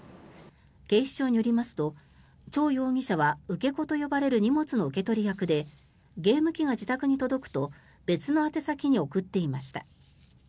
警視庁によりますとチョウ容疑者は受け子と呼ばれる荷物の受け取り役でゲーム機が自宅に届くと別の宛先に送っていました。